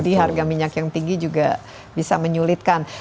maksudnya minyak yang tinggi juga bisa menyulitkan